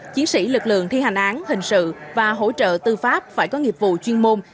chiến sĩ lực lượng thi hành án hình sự và hỗ trợ tư pháp phải có nghiệp vụ chuyên môn